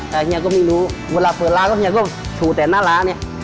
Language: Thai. แต่เฮียก็ไม่รู้เวลาเปิดร้านก็เฮียก็ถูแต่หน้าร้านเนี่ย